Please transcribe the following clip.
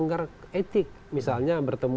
kalau kita hmm